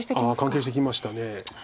関係してきました。